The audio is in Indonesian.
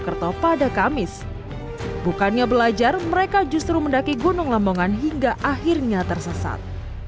kerto pada kamis bukannya belajar mereka justru mendaki gunung lamongan hingga akhirnya tersesat